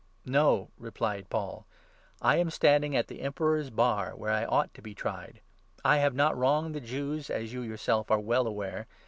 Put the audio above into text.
" No," replied Paul, " I am standing at the Emperor's Bar, 10 where I ought to be tried. I have not wronged the Jews, as you yourself are well aware.